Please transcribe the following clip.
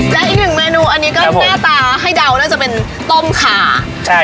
และอีกหนึ่งเมนูอันนี้ก็หน้าตาให้เดาน่าจะเป็นต้มขาใช่